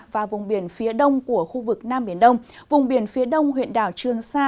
và vùng biển phía đông của khu vực nam biển đông vùng biển phía đông huyện đảo trương sa